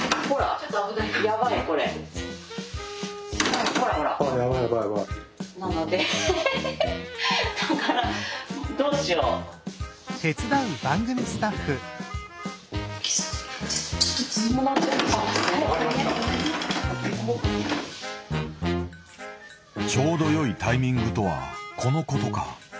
ちょうど良いタイミングとはこのことかと思いきや。